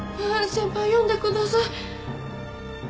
先輩読んでください。